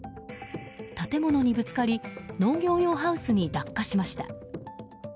建物にぶつかり農業用ハウスに落下しました。